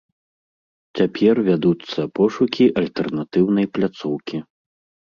Цяпер вядуцца пошукі альтэрнатыўнай пляцоўкі.